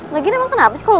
lagian emang kenapa sih kalo